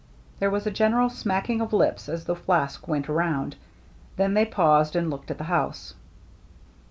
There was a general smacking of lips as the flask went around. Then they paused and looked at the house.